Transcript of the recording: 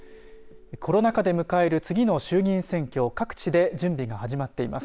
コロナ禍で迎える次の衆議院選挙、各地で準備が始まっています。